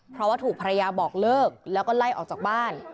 เพราะว่าถูกภรรยาบอกเลิกแล้วก็ไล่ออกจากบ้าน